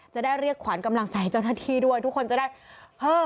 จะได้เรียกขวัญกำลังใจเจ้าหน้าที่ด้วยทุกคนจะได้เพิ่ม